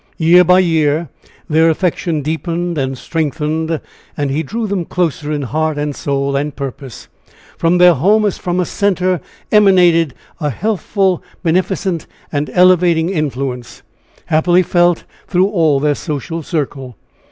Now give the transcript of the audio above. Year by year their affection deepened and strengthened, and drew them closer in heart and soul and purpose. From their home as from a center emanated a healthful, beneficent and elevating influence, happily felt through all their social circle.